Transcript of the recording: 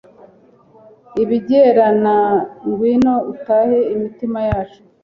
ibengerana, ngwino utahe imitima yacu